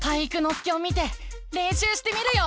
介を見てれんしゅうしてみるよ！